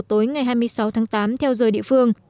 tối ngày hai mươi sáu tháng tám theo giờ địa phương